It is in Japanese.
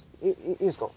いいんすか？